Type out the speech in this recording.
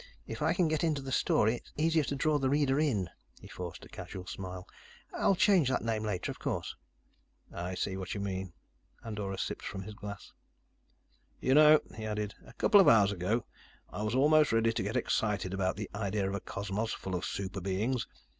If I can get into the story, it's easier to draw the reader in." He forced a casual smile. "I'll change that name later, of course." "I see what you mean." Andorra sipped from his glass. "You know," he added, "a couple of hours ago, I was almost ready to get excited about the idea of a cosmos full of super beings.